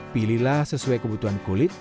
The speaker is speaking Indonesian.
pilihlah sesuai kebutuhan kulit